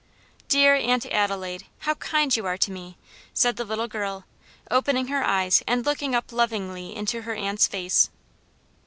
"Dear Aunt Adelaide, how kind you are to me," said the little girl, opening her eyes and looking up lovingly into her aunt's face.